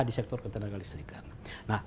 di sektor ketenagaan listrikan nah